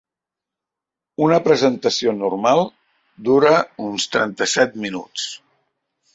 Una representació normal dura uns trenta-set minuts.